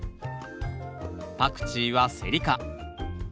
パクチーはセリ科。